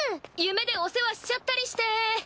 夢でお世話しちゃったりして。